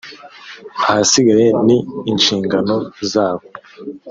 ahasigaye ni inshingano zabo